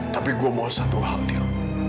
tapi gue mau satu hal nih